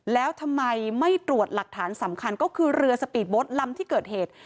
แล้วทำไมไม่ตรวจหลักฐานสำคัญก็คือเรือสปีดโบ๊ทลำที่เกิดเหตุ